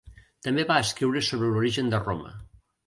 També va escriure sobre l'origen de Roma.